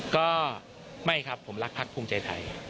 ก็ไม่ครับผมรักพักภูมิใจไทย